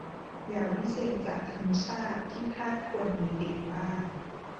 ยาวิเศษจากธรรมชาติที่ทาสควรมีติดบ้าน